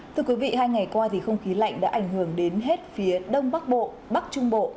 thưa quý vị hai ngày qua thì không khí lạnh đã ảnh hưởng đến hết phía đông bắc bộ bắc trung bộ